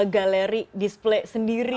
galeri display sendiri